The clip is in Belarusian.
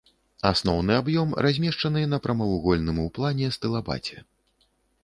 Асноўны аб'ём размешчаны на прамавугольным у плане стылабаце.